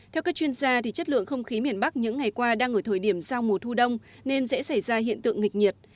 theo các chuyên gia chất lượng không khí miền bắc những ngày qua đang ở thời điểm giao mùa thu đông nên dễ xảy ra hiện tượng nghịch nhiệt